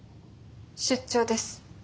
出張です。